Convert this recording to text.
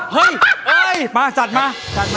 เฮ้ยมาจัดมา